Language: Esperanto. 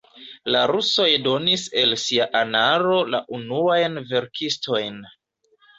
La rusoj donis el sia anaro la unuajn verkistojn.